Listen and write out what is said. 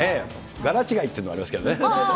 柄違いというのもありますけどね。